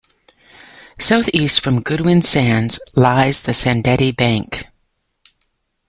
Southeast from Goodwin Sands lies the Sandettie Bank.